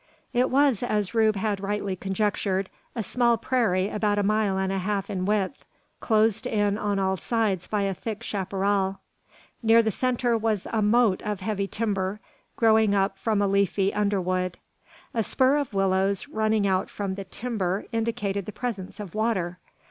It was, as Rube had rightly conjectured, a small prairie about a mile and a half in width, closed in on all sides by a thick chapparal. Near the centre was a motte of heavy timber, growing up from a leafy underwood. A spur of willows running out from the timber indicated the presence of water.